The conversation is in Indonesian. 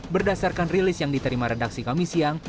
berdasarkan rilis yang diterima redaksi kami siang